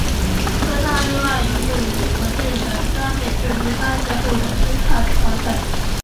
坐舱另外会有火箭等装备作出发射后的姿态调整。